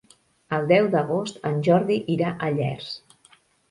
El deu d'agost en Jordi irà a Llers.